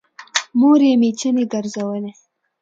مور يې مېچنې ګرځولې